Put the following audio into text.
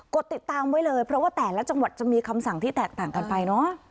ดติดตามไว้เลยเพราะว่าแต่ละจังหวัดจะมีคำสั่งที่แตกต่างกันไปเนอะ